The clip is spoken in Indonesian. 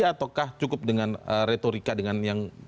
ataukah cukup dengan retorika dengan yang